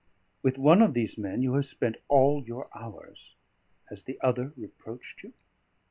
With one of these men you have spent all your hours: has the other reproached you?